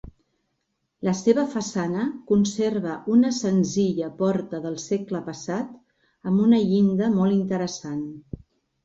La seva façana conserva una senzilla porta del segle passat amb una llinda molt interessant.